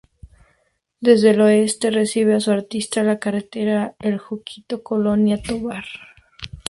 Desde el oeste recibe en su arista la carretera El Junquito-Colonia Tovar.